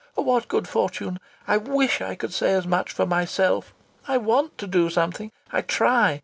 What good fortune! I wish I could say as much for myself. I want to do something! I try!